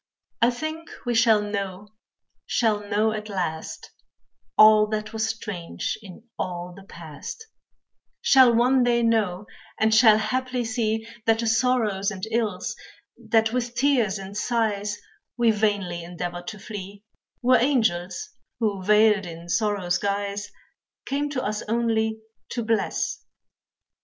I think we shall know, shall know at last, All that was strange in all the past, Shall one day know, and shall haply see That the sorrows and ills, that with tears and sighs, We vainly endeavored to flee, Were angels who, veiled in sorrow's guise Came to us only to bless.